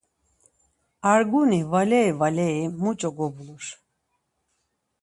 Arguni valer valeri muç̌o gobulur.